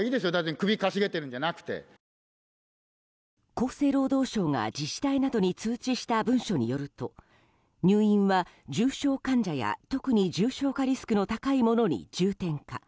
厚生労働省が自治体などに通知した文書によると入院は重症患者や特に重症化リスクの高い者に重点化。